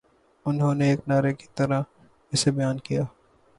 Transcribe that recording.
انہوں نے ایک نعرے کی طرح اسے بیان کیا